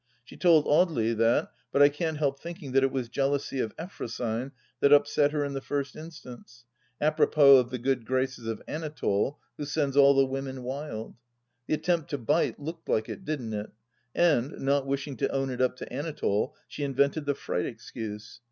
She told Audely that, but I can't help thinking that it was jealousy of Effrosyne that upset her in the first instance, apropos of the good graces of Anatole, who sends all the women wUd. The attempt to bite looked like it, didn't it ? And, not wishing to own it up to Anatole, she invented the fright excuse.